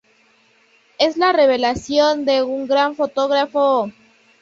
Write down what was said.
Es la revelación de un gran fotógrafo.